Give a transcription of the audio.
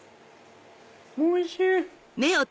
おいしい！